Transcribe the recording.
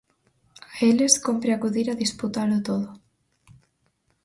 A eles cómpre acudir a disputalo todo.